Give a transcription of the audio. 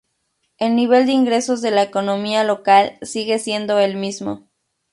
El nivel de ingresos de la economía local sigue siendo el mismo.